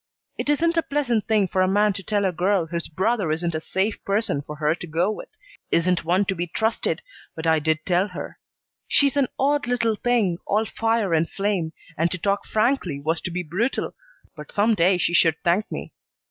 It isn't a pleasant thing for a man to tell a girl his brother isn't a safe person for her to go with, isn't one to be trusted, but I did tell her. She's an odd little thing, all fire and flame, and to talk frankly was to be brutal, but some day she should thank me.